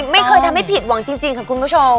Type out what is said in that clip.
ไม่เคยทำให้ผิดหวังจริงค่ะคุณผู้ชม